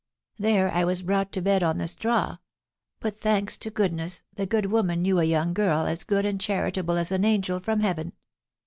There I was brought to bed on the straw; but, thanks to goodness, the good woman knew a young girl as good and charitable as an angel from heaven.